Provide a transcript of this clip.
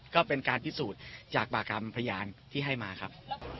ก็เป็นการพิสูจน์จากปากกรรมพยานที่ให้มาครับ